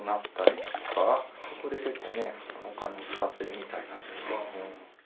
そこで結構ねお金も使ってるみたいなんですけども。